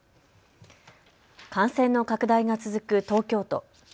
感染の拡大が続く東京都。